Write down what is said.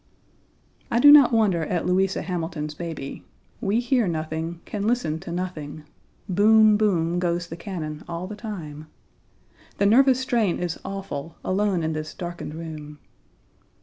I do not wonder at Louisa Hamilton's baby; we hear nothing, can listen to nothing; boom, boom goes the cannon all the time. The nervous strain is awful, alone in this darkened room.